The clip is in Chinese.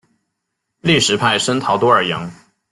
利什派森陶多尔扬。